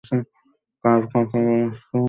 কার থেকে পালাচ্ছো?